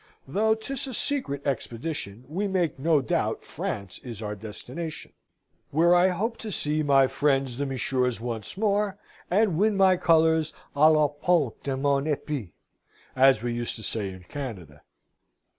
Though 'tis a secret expedition, we make no doubt France is our destination where I hope to see my friends the Monsieurs once more, and win my colours, a la point de mon epee, as we used to say in Canada.